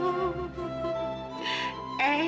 eyang ada di sini sayang